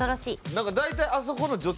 なんか大体。